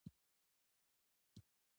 خوشاله ژوند وکړه.